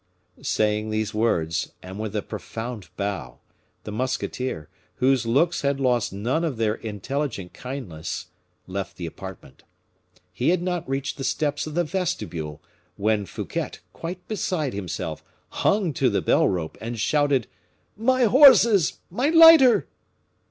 Saying these words, and with a profound bow, the musketeer, whose looks had lost none of their intelligent kindness, left the apartment. He had not reached the steps of the vestibule, when Fouquet, quite beside himself, hung to the bell rope, and shouted, "My horses! my lighter!"